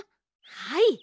はい。